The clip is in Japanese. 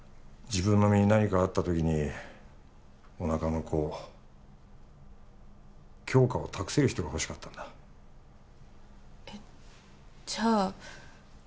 自分の身に何かあったときにおなかの子を杏花を託せる人がほしかったんだえっじゃ